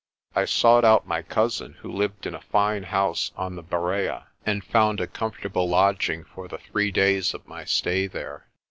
I sought out my cousin, who lived in a fine house on the Berea, and found a comfortable lodging for the three days of my stay there.